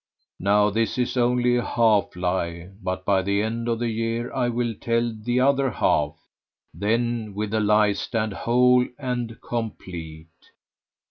Now this is only a half lie, but by the end of the year I will tell the other half, then will the lie stand whole and complete."